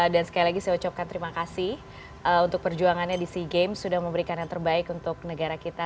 dan sekali lagi saya ucapkan terima kasih untuk perjuangannya di sea games sudah memberikan yang terbaik untuk negara indonesia